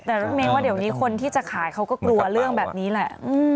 แต่รถเม้นว่าเดี๋ยวนี้คนที่จะขายเขาก็กลัวเรื่องแบบนี้แหละ